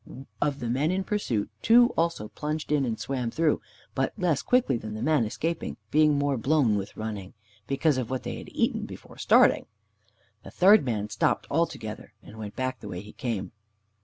Of the men in pursuit, two also plunged in and swam through, but less quickly than the man escaping, being more blown with running, because of what they had eaten before starting. The third man stopped altogether, and went back the way he came.